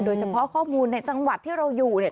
โดยเฉพาะข้อมูลในจังหวัดที่เราอยู่เนี่ย